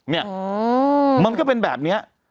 เนี่ยมันก็เป็นแบบนี้